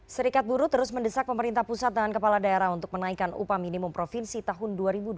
serikat buruh terus mendesak pemerintah pusat dan kepala daerah untuk menaikkan upah minimum provinsi tahun dua ribu dua puluh